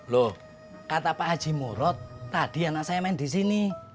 lu kata pak haji murad tadi anak saya main disini